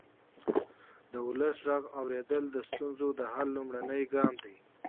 د ولس غږ اورېدل د ستونزو د حل لومړنی ګام دی